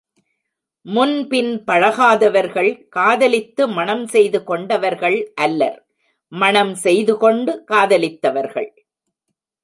முன்பின் பழகாதவர்கள் காதலித்து மணம் செய்து கொண்டவர்கள் அல்லர், மணம் செய்து கொண்டு காதலித்தவர்கள்.